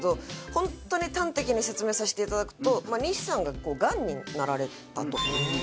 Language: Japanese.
本当に端的に説明させていただくと西さんががんになられたと。